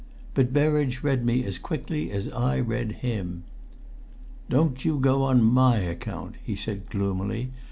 But Berridge read me as quickly as I read him. "Don't you go on my account," said he gloomily.